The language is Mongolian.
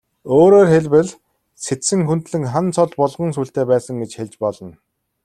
Өөрөөр хэлбэл, Сэцэн хүндлэн хан цол булган сүүлтэй байсан гэж хэлж болно.